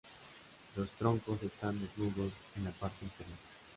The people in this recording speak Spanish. Los troncos están desnudos en la parte inferior.